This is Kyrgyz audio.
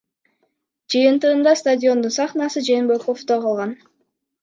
Жыйынтыгында стадиондун сахнасы Жээнбековдо калган.